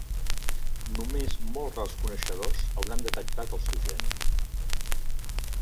Només molt rars coneixedors hauran detectat el seu geni.